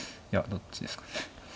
いやどっちですかね。